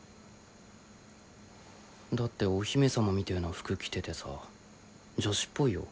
だってお姫様みてえな服着ててさ女子っぽいよ。